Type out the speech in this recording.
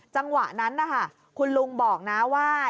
จังหวะนั้นนะคะคุณลุงบอกนะว่า